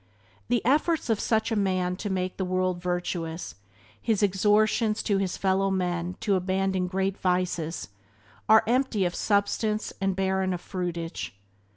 The efforts of such a man to make the world virtuous, his exhortations to his fellow men to abandon great vices, are empty of substance and barren of fruitage.